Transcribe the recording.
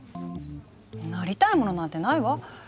なりたいものなんてないわ。